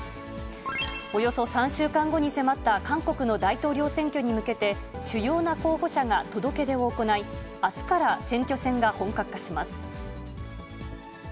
およそ３週間後に迫った韓国の大統領選挙に向けて、主要な候補者が届け出を行い、あすから選挙戦が本格化します。